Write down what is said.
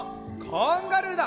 カンガルーだ！